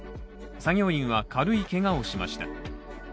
作業員は軽いけがをしました。